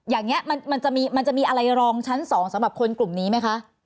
อย่างนี้มันจะมีอะไรรองชั้น๒สำหรับคนกลุ่มนี้ไหมคะ